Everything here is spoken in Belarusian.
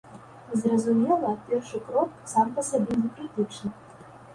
Зразумела, першы крок сам па сабе некрытычны.